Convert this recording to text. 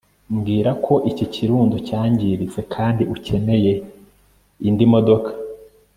mbwira ko iki kirundo cyangiritse kandi ukeneye indi modoka